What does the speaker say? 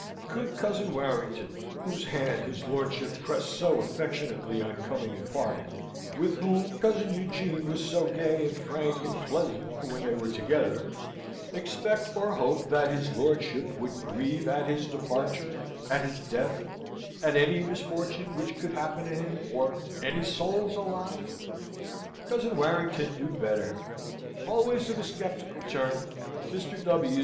Could cousin Warrington, whose hand his lordship pressed so affectionately on coming and parting, with whom cousin Eugene was so gay and frank and pleasant when they were together, expect or hope that his lordship would grieve at his departure, at his death, at any misfortune which could happen to him, or any souls alive? Cousin Warrington knew better. Always of a sceptical turn, Mr. W.